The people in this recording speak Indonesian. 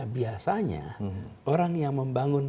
biasanya orang yang membangun